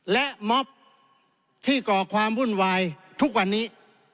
และม็อบที่ก่อความวุ่นวายทุกวันนี้